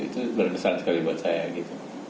itu berbesar sekali buat saya gitu